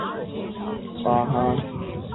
圣沙马朗。